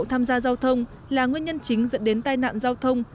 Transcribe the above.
tham gia giao thông là nguyên nhân chính dẫn đến tai nạn giao thông